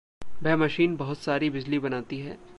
वह मशीन बहुत सारी बिजली बनाती है।